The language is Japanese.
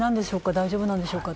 大丈夫なんでしょうか？